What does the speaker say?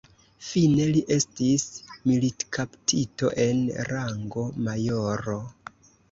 Fine li estis militkaptito en rango majoro.